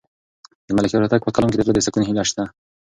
د ملکیار هوتک په کلام کې د زړه د سکون هیله شته.